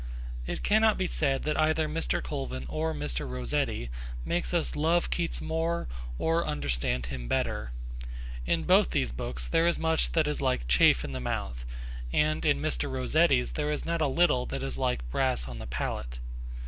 It cannot be said that either Mr. Colvin or Mr. William Rossetti makes us love Keats more or understand him better. In both these books there is much that is like 'chaff in the mouth,' and in Mr. Rossetti's there is not a little that is like 'brass on the palate.'